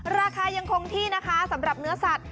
ราคายังคงที่นะคะสำหรับเนื้อสัตว